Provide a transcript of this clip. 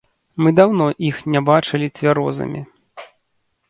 Мы даўно іх не бачылі цвярозымі.